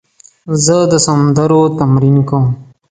زه د سندرو تمرین کوم.